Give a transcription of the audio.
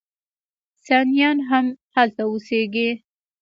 سنیان هم هلته اوسیږي.